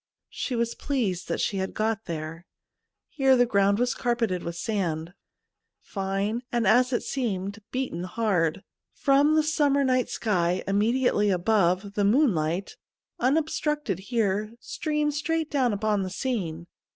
She was pleased that she had got there. Here the ground was carpeted with sand, fine and, as it seemed, beaten hard. From the summer night sky immediately above, the moonlight, unobstructed here, streamed straight down upon .the scene.